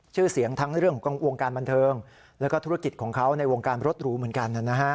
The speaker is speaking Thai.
ชื่อเสียงทั้งเรื่องของวงการบันเทิงแล้วก็ธุรกิจของเขาในวงการรถหรูเหมือนกัน